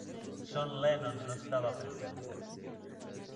John Lennon no estaba presente.